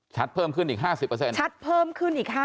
ชัดเพิ่มขึ้นอีก๕๐